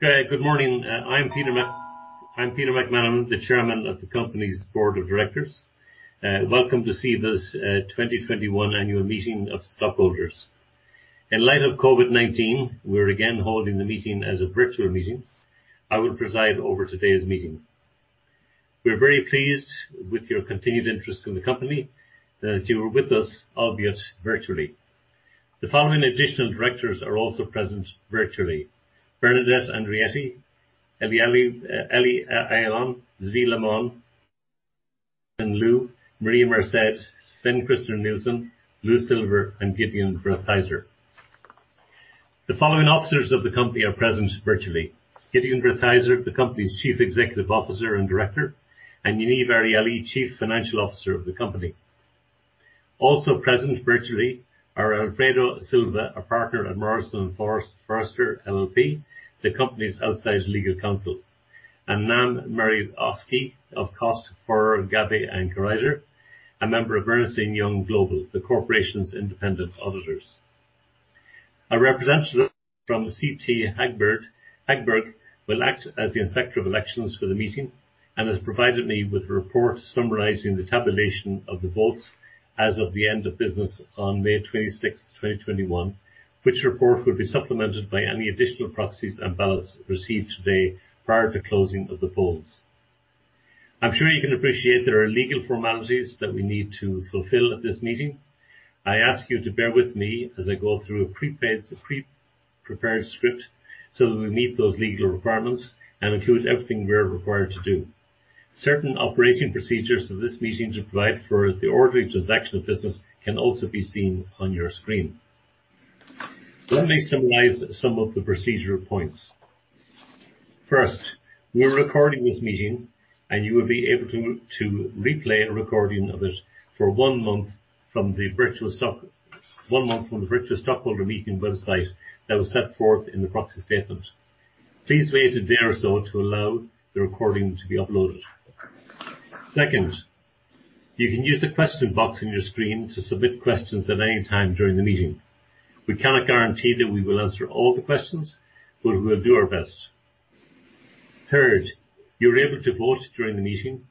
Good morning. I'm Peter McManamon. I'm the Chairman of the Board of Directors. Welcome to CEVA's 2021 Annual Meeting of Stockholders. In light of COVID-19, we are again holding the meeting as a virtual meeting. I will preside over today's meeting. We are very pleased with your continued interest in the company, that you are with us, albeit virtually. The following additional directors are also present virtually: Bernadette Andrietti, Eliyahu Ayalon, Zvi Limon, Jaclyn Liu, Maria Marced, Sven-Christer Nilsson, Louis Silver, and Gideon Wertheizer. The following officers of the company are present virtually: Gideon Wertheizer, the company's Chief Executive Officer and Director, and Yaniv Arieli, Chief Financial Officer of the company. Also present virtually are Alfredo Silva of Morrison & Foerster LLP, the company's outside legal counsel, and [inaudible] Mary Oski of Kost Forer Gabbay, & [inaudible] a member of Ernst & Young Global, the corporation's independent auditors. A representative from CT Hagberg will act as the inspector of elections for the meeting and has provided me with a report summarizing the tabulation of the votes as of the end of business on May 26th, 2021, which report will be supplemented by any additional proxies and ballots received today prior to closing of the polls. I'm sure you can appreciate there are legal formalities that we need to fulfill at this meeting. I ask you to bear with me as I go through a pre-prepared script so that we meet those legal requirements and include everything we are required to do. Certain operating procedures of this meeting to provide for the orderly transaction of business can also be seen on your screen. Let me summarize some of the procedural points. First, we are recording this meeting, and you will be able to replay a recording of it for one month from the virtual stockholder meeting website that was set forth in the proxy statement. Please wait a day or so to allow the recording to be uploaded. Second, you can use the question box on your screen to submit questions at any time during the meeting. We cannot guarantee that we will answer all the questions, but we will do our best. Third, you are able to vote during the meeting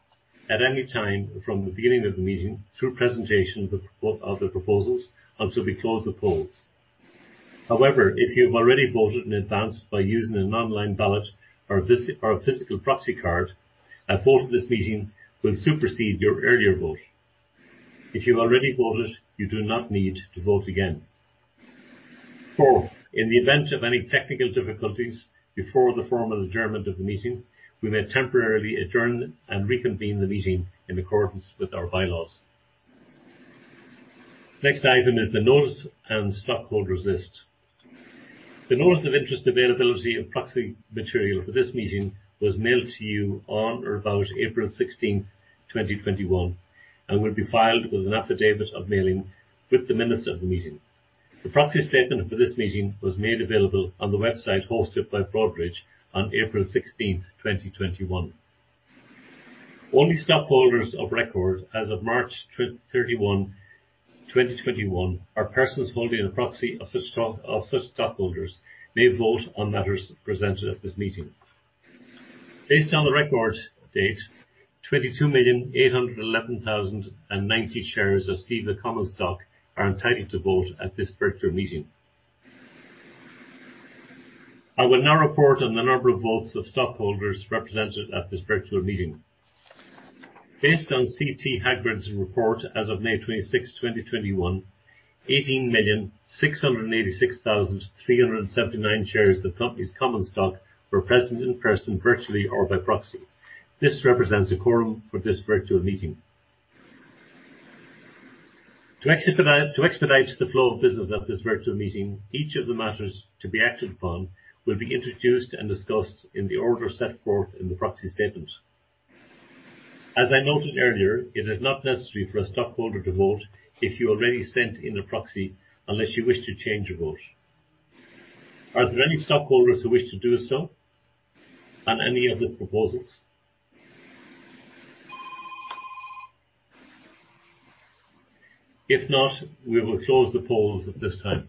at any time from the beginning of the meeting through presentation of the proposals until we close the polls. However, if you have already voted in advance by using an online ballot or a physical proxy card, a vote at this meeting will supersede your earlier vote. If you've already voted, you do not need to vote again. Fourth, in the event of any technical difficulties before the formal adjournment of the meeting, we may temporarily adjourn and reconvene the meeting in accordance with our bylaws. Next item is the notice and stockholders list. The notice of interest availability of proxy material for this meeting was mailed to you on or about April 16th, 2021, and will be filed with an affidavit of mailing with the minutes of the meeting. The proxy statement for this meeting was made available on the website hosted by Broadridge on April 16th, 2021. Only stockholders of record as of March 31st, 2021, or persons holding a proxy of such stockholders may vote on matters presented at this meeting. Based on the record date, 22,811,090 shares of CEVA common stock are entitled to vote at this virtual meeting. I will now report on the number of votes of stockholders represented at this virtual meeting. Based on CT Hagberg's report as of May 26th, 2021, 18,686,379 shares of the company's common stock were present in person, virtually, or by proxy. This represents a quorum for this virtual meeting. To expedite the flow of business at this virtual meeting, each of the matters to be acted upon will be introduced and discussed in the order set forth in the proxy statement. As I noted earlier, it is not necessary for a stockholder to vote if you already sent in a proxy, unless you wish to change your vote. Are there any stockholders who wish to do so on any of the proposals? If not, we will close the polls at this time.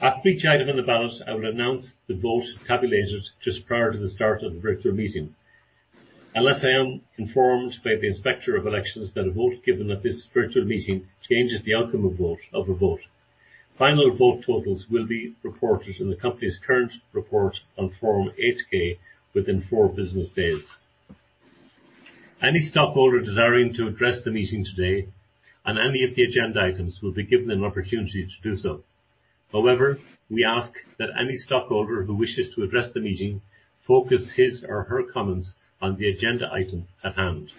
At each item on the ballot, I will announce the vote tabulated just prior to the start of the virtual meeting. Unless I am informed by the inspector of elections that a vote given at this virtual meeting changes the outcome of a vote. Final vote totals will be reported in the company's current report on Form 8-K within four business days. Any stockholder desiring to address the meeting today on any of the agenda items will be given an opportunity to do so. However, we ask that any stockholder who wishes to address the meeting focus his or her comments on the agenda item at hand.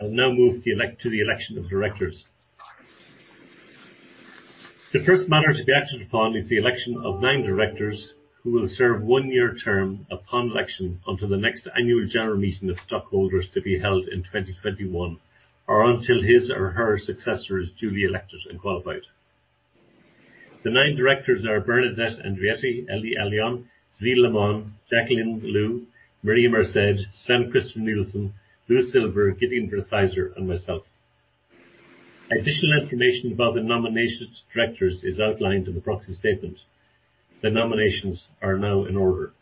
I'll now move to the election of directors. The first matter to be acted upon is the election of nine directors who will serve a one-year term upon election until the next annual general meeting of stockholders to be held in 2021 or until his or her successor is duly elected and qualified. The nine directors are Bernadette Andrietti, Eliyahu Ayalon, Zvi Limon, Jaclyn Liu, Maria Marced, Sven-Christer Nilsson, Louis Silver, Gideon Wertheizer, and myself. Additional information about the nominations to directors is outlined in the proxy statement. The nominations are now in order.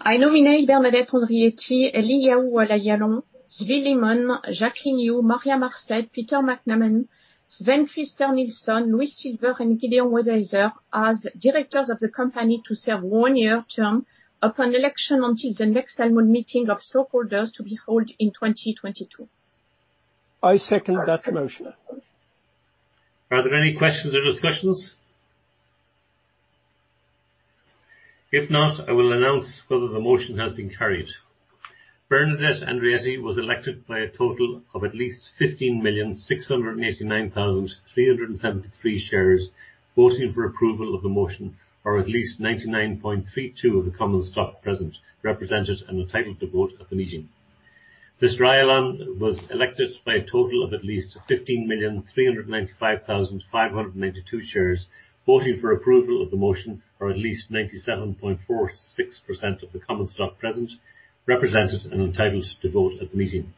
I nominate Bernadette Andrietti, Eliyahu Ayalon, Zvi Limon, Jaclyn Liu, Maria Marced, Peter McManamon, Sven-Christer Nilsson, Louis Silver, and Gideon Wertheizer as directors of the company to serve a one-year term upon election until the next annual meeting of stockholders to be held in 2022. I second that motion. Are there any questions or discussions? If not, I will announce whether the motion has been carried. Bernadette Andrietti was elected by a total of at least 15,689,373 shares voting for approval of the motion, or at least 99.32% of the common stock present, represented, and entitled to vote at the meeting. Mr. Ayalon was elected by a total of at least 15,395,592 shares voting for approval of the motion, or at least 97.46% of the common stock present, represented, and entitled to vote at the meeting.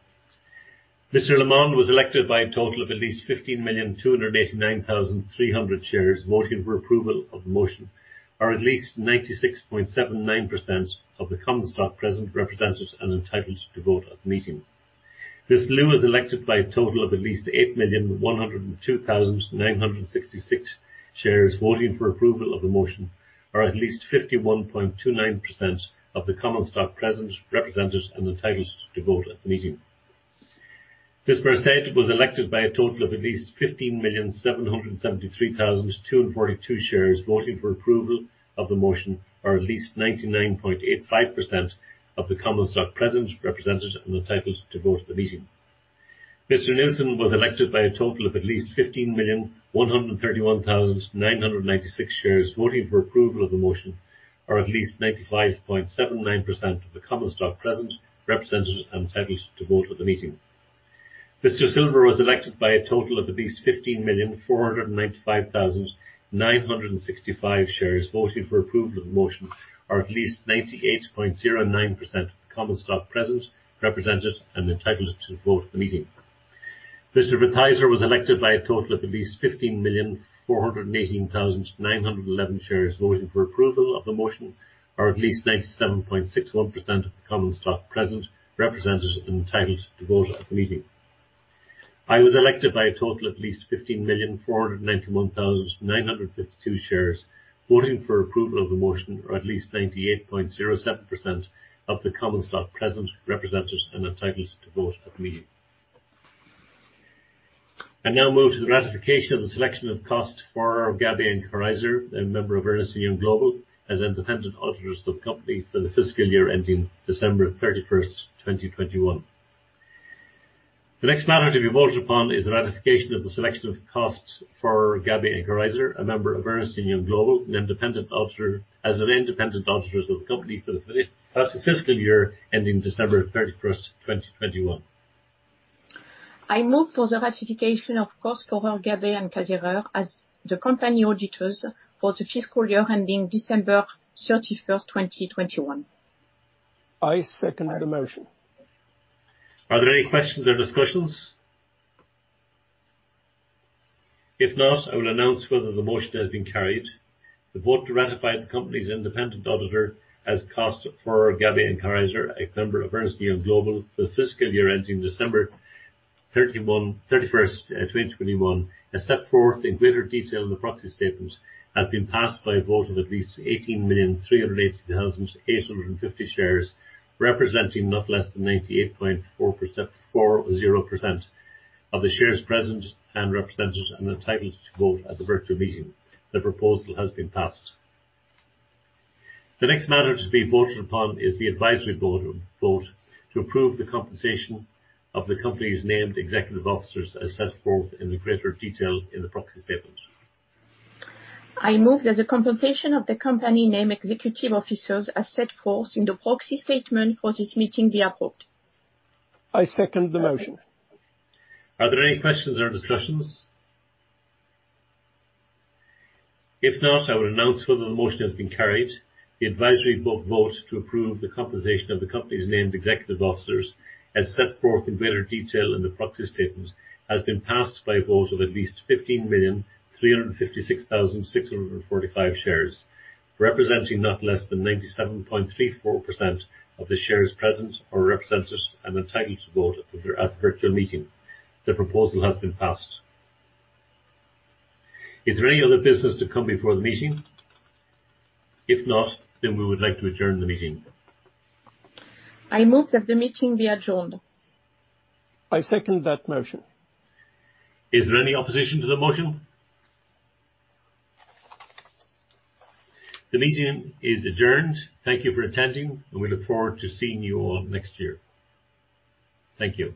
Mr. Limon was elected by a total of at least 15,289,300 shares voting for approval of the motion, or at least 96.79% of the common stock present, represented, and entitled to vote at the meeting. Ms. Liu was elected by a total of at least 8,102,966 shares voting for approval of the motion, or at least 51.29% of the common stock present, represented, and entitled to vote at the meeting. Ms. Marced was elected by a total of at least 15,773,242 shares voting for approval of the motion, or at least 99.85% of the common stock present, represented, and entitled to vote at the meeting. Mr. Nilsson was elected by a total of at least 15,131,996 shares voting for approval of the motion, or at least 95.79% of the common stock present, represented, and entitled to vote at the meeting. Mr. Silver was elected by a total of at least 15,495,965 shares voting for approval of the motion, or at least 98.09% of the common stock present, represented, and entitled to vote at the meeting. Mr. Wertheizer was elected by a total of at least 15,418,911 shares voting for approval of the motion, or at least 97.61% of the common stock present, represented, and entitled to vote at the meeting. I was elected by a total of at least 15,491,952 shares voting for approval of the motion, or at least 98.07% of the common stock present, represented, and entitled to vote at the meeting. I now move to the ratification of the selection of Kost Forer Gabbay & Kasierer, a member of Ernst & Young Global, as independent auditors of the company for the fiscal year ending December 31st, 2021. The next matter to be voted upon is the ratification of the selection of Kost Forer Gabbay & Kasierer, a member of Ernst & Young Global, as an independent auditor of the company for the fiscal year ending December 31st, 2021. I move for the ratification of Kost Forer Gabbay & Kasierer as the company auditors for the fiscal year ending December 31st, 2021. I second the motion. Are there any questions or discussions? If not, I will announce whether the motion has been carried. The vote to ratify the company's independent auditor as Kost Forer Gabbay & Kasierer, a member of Ernst & Young Global, for the fiscal year ending December 31st, 2021, as set forth in greater detail in the proxy statement, has been passed by a vote of at least 18,380,850 shares, representing not less than 98.40% of the shares present and represented and entitled to vote at the virtual meeting. The proposal has been passed. The next matter to be voted upon is the advisory vote to approve the compensation of the company's named executive officers as set forth in greater detail in the proxy statement. I move that the compensation of the company named executive officers as set forth in the proxy statement for this meeting be approved. I second the motion. Are there any questions or discussions? If not, I will announce whether the motion has been carried. The advisory vote to approve the compensation of the company's named executive officers, as set forth in greater detail in the proxy statement, has been passed by a vote of at least 15,356,645 shares, representing not less than 97.34% of the shares present or represented and entitled to vote at the virtual meeting. The proposal has been passed. Is there any other business to come before the meeting? If not, we would like to adjourn the meeting. I move that the meeting be adjourned. I second that motion. Is there any opposition to the motion? The meeting is adjourned. Thank you for attending, and we look forward to seeing you all next year. Thank you.